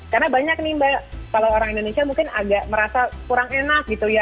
karena banyak nih mbak kalau orang indonesia mungkin agak merasa kurang enak gitu ya